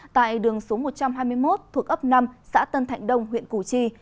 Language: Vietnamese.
tại đường số một trăm hai mươi một thuộc ấp năm xã tân thạnh đông huyện củ chi